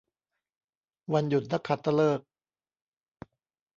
วันหยุดนักขัตฤกษ์